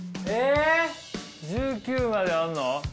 １９まであんの？